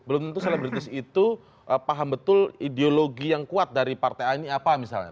belum tentu selebritis itu paham betul ideologi yang kuat dari partai a ini apa misalnya